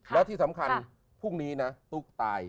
แล้วที่สำคัญพรุ่งนี้นะตุ๊กตาย